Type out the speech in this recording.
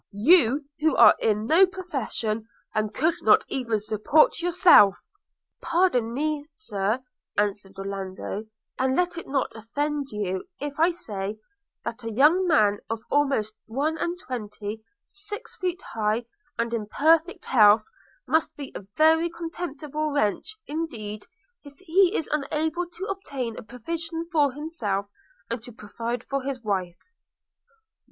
– you who are in no profession, and could not even support yourself?' 'Pardon me, Sir,' answered Orlando, 'and let it not offend you, if I say, that a young man of almost one and twenty, six feet high, and in perfect health, must be a very contemptible wretch, indeed, if he is unable to obtain a provision for himself, and to provide for his wife.'